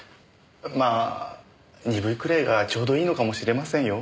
まあ鈍いくらいがちょうどいいのかもしれませんよ。